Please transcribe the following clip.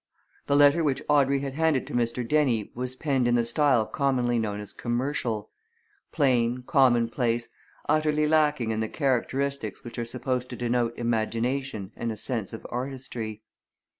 The letter which Audrey had handed to Mr. Dennie was penned in the style commonly known as commercial plain, commonplace, utterly lacking in the characteristics which are supposed to denote imagination and a sense of artistry.